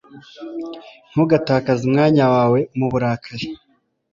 ntugatakaze umwanya wawe mu burakari